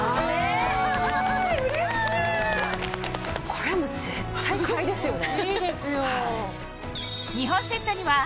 これはもう絶対買いですよね。